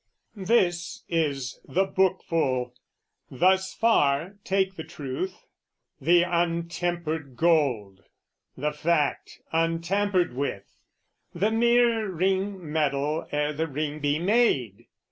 This is the bookful; thus far take the truth, The untempered gold, the fact untampered with, The mere ring metal ere the ring be made!